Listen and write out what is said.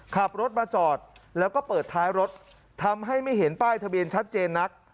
ขับรถมาจอดแล้วก็เปิดท้ายรถทำให้ไม่เห็นป้ายทะเบียนชัดเจนนัก